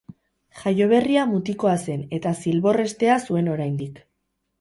Jaioberria mutikoa zen eta zilbor-hestea zuen oraindik.